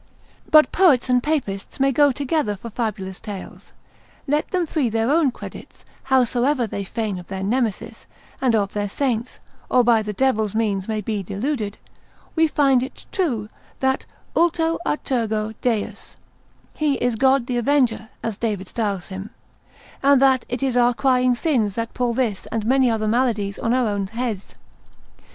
But poets and papists may go together for fabulous tales; let them free their own credits: howsoever they feign of their Nemesis, and of their saints, or by the devil's means may be deluded; we find it true, that ultor a tergo Deus, He is God the avenger, as David styles him; and that it is our crying sins that pull this and many other maladies on our own heads.